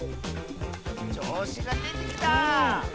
ちょうしがでてきた！